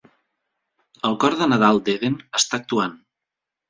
El cor de nadal d'Eden està actuant.